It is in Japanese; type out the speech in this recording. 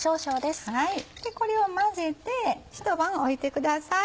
これを混ぜて一晩置いてください。